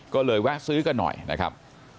ก็เลยแวะซื้อกันหน่อยนะครับ